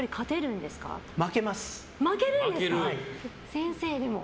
先生でも？